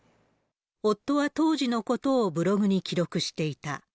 夫は当時のことをブログに記録していた。